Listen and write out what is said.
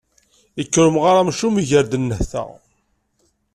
Yekker umɣar amcum, iger-d nnehta.